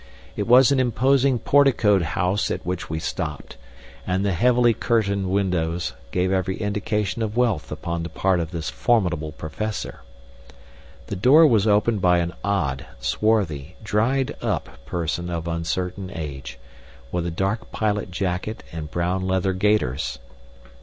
It was an imposing porticoed house at which we stopped, and the heavily curtained windows gave every indication of wealth upon the part of this formidable Professor. The door was opened by an odd, swarthy, dried up person of uncertain age, with a dark pilot jacket and brown leather gaiters.